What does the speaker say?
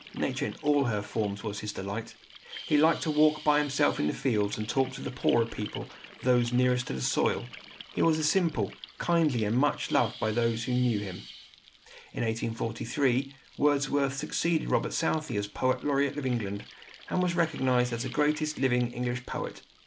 Nature in all her forms was his delight. He liked to walk by himself in the fields, and to talk with the poorer people, those nearest to the soil. He was simple, kindly, and much loved by those who knew him. In 1843 Wordsworth succeeded Robert Southey as poet laureate of England, and was recognized as the greatest living English poet.